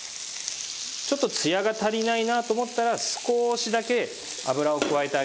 ちょっとツヤが足りないなと思ったら少しだけ油を加えてあげてください。